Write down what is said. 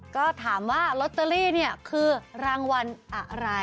ก็ถามว่าลอตเตอรี่เนี่ยคือรางวัลอะไร